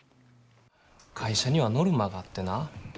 会社にはノルマがあってな